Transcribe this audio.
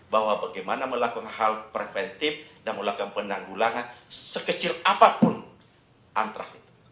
bahwa bagaimana melakukan hal preventif dan melakukan penanggulangan sekecil apapun antrak itu